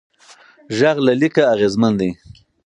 غږ له لیکه اغېزمن دی.